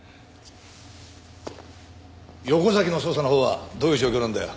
横崎の捜査のほうはどういう状況なんだよ？